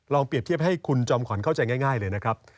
เปรียบเทียบให้คุณจอมขวัญเข้าใจง่ายเลยนะครับ